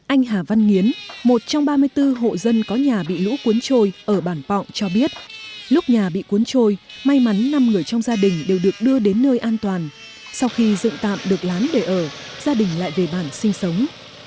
anh hà văn nghiến một trong ba mươi bốn hộ dân có nhà bị lũ cuốn trôi ở bản pọng cho biết lúc nhà bị cuốn trôi may mắn năm người trong gia đình đều được đưa đến nơi an toàn sau khi dựng tạm được lán để ở gia đình lại về bản sinh sống